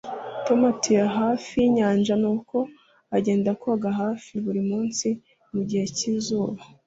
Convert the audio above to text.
Tom atuye hafi yinyanja nuko agenda koga hafi buri munsi mugihe cyizuba